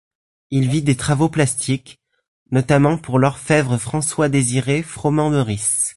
Il vit des travaux plastiques, notamment pour l'orfèvre François-Désiré Froment-Meurice.